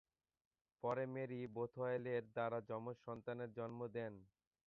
পরে মেরি বোথওয়েলের দ্বারা যমজ সন্তানের জন্ম দেন।